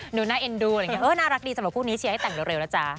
หนูน่าเอ็นดูน่ารักดีแต่พวกนี้เชียร์ให้แต่งเร็วแล้วจ้า